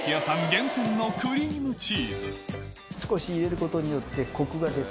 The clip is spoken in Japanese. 厳選のクリームチーズ